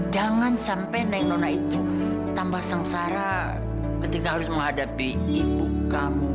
jangan sampai nenek nona itu tambah sengsara ketika harus menghadapi ibu kamu